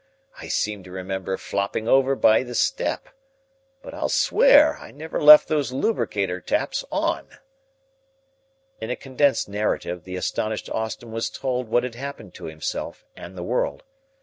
I seem to remember flopping over by the step. But I'll swear I never left those lubricator taps on." In a condensed narrative the astonished Austin was told what had happened to himself and the world.